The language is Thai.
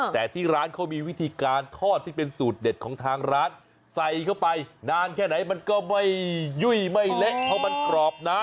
แต่ที่ร้านเขามีวิธีการทอดที่เป็นสูตรเด็ดของทางร้านใส่เข้าไปนานแค่ไหนมันก็ไม่ยุ่ยไม่เละเพราะมันกรอบนะ